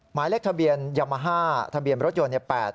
หมายเลขทะเบียนยามาฮ่าทะเบียนรถยนต์